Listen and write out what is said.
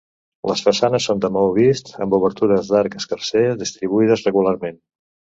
Les façanes són de maó vist, amb obertures d'arc escarser distribuïdes regularment.